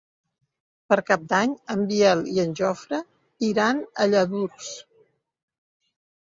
Per Cap d'Any en Biel i en Jofre iran a Lladurs.